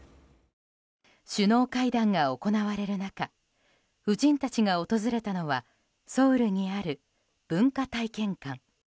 首脳会談が行われる中夫人たちが訪れたのはソウルにある文化体験館。